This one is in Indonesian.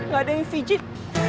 gak ada yang pijit